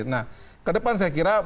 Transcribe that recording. nah ke depan saya kira